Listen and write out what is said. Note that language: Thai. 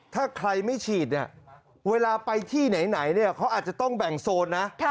ถ้าใครไม่ฉีดเวลาไปที่ไหนเขาอาจจะต้องแบ่งโซนนะ